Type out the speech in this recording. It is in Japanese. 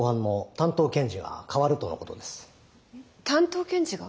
担当検事が？